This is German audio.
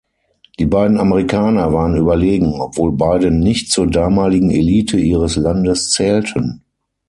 Die beiden Amerikaner waren überlegen, obwohl beide nicht zur damaligen Elite ihres Landes zählten.